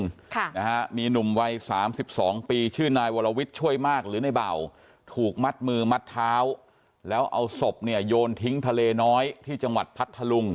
ค่ะนะฮะมีหนุ่มวัยสามสิบสองปีชื่อนายวรวิทย์ช่วยมากหรือในเบาถูกมัดมือมัดเท้าแล้วเอาศพเนี่ยโยนทิ้งทะเลน้อยที่จังหวัดพัทธลุง